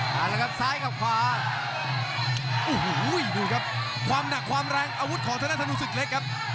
มาแล้วครับซ้ายกับขวาโอ้โหดูครับความหนักความแรงอาวุธของธนูศึกเล็กครับ